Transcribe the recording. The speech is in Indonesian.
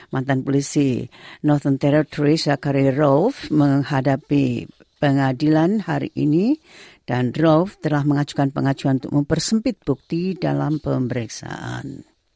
mantan polisi northern territory zachary rolfe menghadapi pengadilan hari ini dan rolfe telah mengajukan pengajuan untuk mempersempit bukti dalam pemeriksaan